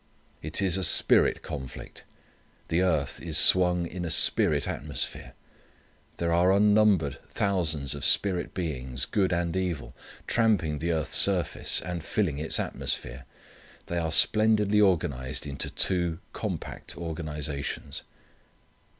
It is a spirit conflict. The earth is swung in a spirit atmosphere. There are unnumbered thousands of spirit beings good and evil, tramping the earth's surface, and filling its atmosphere. They are splendidly organized into two compact organizations.